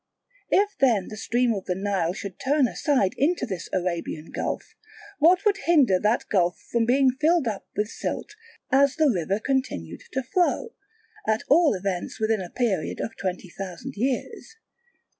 If then the stream of the Nile should turn aside into this Arabian gulf, what would hinder that gulf from being filled up with silt as the river continued to flow, at all events within a period of twenty thousand years?